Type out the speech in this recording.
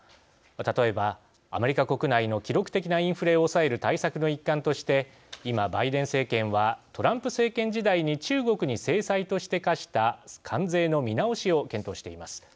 例えば、アメリカ国内の記録的なインフレを抑える対策の一環として今、バイデン政権はトランプ政権時代に中国に制裁として科した関税の見直しを検討しています。